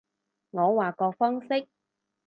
我話個方式